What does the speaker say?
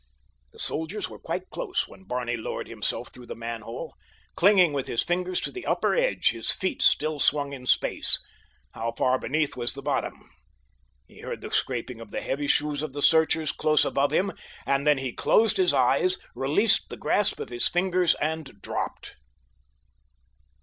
The soldiers were quite close when Barney lowered himself through the manhole. Clinging with his fingers to the upper edge his feet still swung in space. How far beneath was the bottom? He heard the scraping of the heavy shoes of the searchers close above him, and then he closed his eyes, released the grasp of his fingers, and dropped.